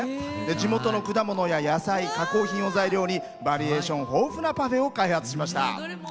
地元の果物や野菜加工品を材料にバリエーション豊富なパフェを開発しました。